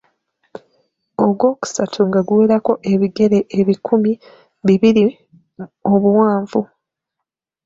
Ogw'okusatu nga guwerako ng'ebigere ebikumi bibiri obuwanvu.